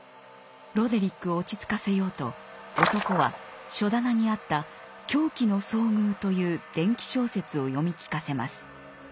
ロデリックを落ち着かせようと男は書棚にあった「狂気の遭遇」という伝奇小説を読み聞かせます。